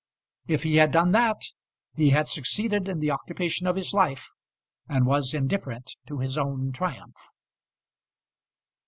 If he had done that, he had succeeded in the occupation of his life, and was indifferent to his own triumph.